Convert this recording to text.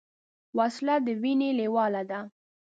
وسله د وینې لیواله ده